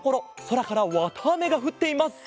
そらからわたあめがふっています！